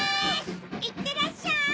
いってらっしゃい！